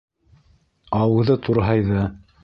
Ауыҙы турһайҙы.